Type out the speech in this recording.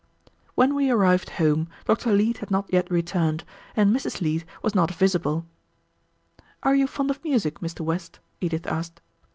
Chapter 11 When we arrived home, Dr. Leete had not yet returned, and Mrs. Leete was not visible. "Are you fond of music, Mr. West?" Edith asked.